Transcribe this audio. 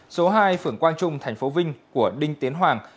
số hai phường quang trung thành phố vinh của đinh tiến hoàng